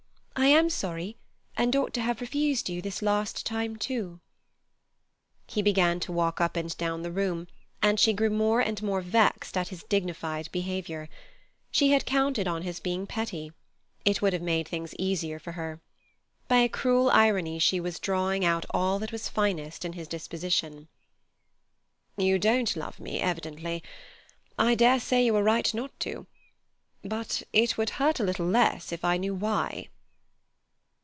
I am sorry, and ought to have refused you this last time, too." He began to walk up and down the room, and she grew more and more vexed at his dignified behaviour. She had counted on his being petty. It would have made things easier for her. By a cruel irony she was drawing out all that was finest in his disposition. "You don't love me, evidently. I dare say you are right not to. But it would hurt a little less if I knew why."